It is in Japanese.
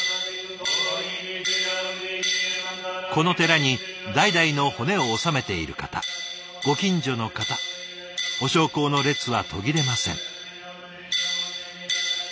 この寺に代々の骨を納めている方ご近所の方お焼香の列は途切れません。